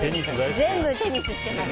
全部テニスしてます。